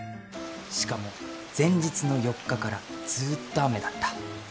しかも前日の４日からずっと雨だった。